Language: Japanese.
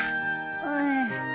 うん。